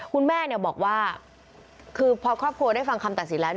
คุณแม่บอกว่าคือพอครอบครัวได้ฟังคำตัดสินแล้ว